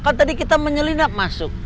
kalau tadi kita menyelinap masuk